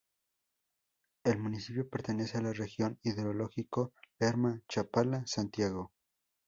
El municipio pertenece a la región hidrológica Lerma-Chapala-Santiago.